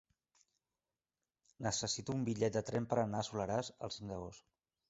Necessito un bitllet de tren per anar al Soleràs el cinc d'agost.